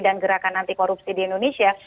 dan gerakan anti korupsi di indonesia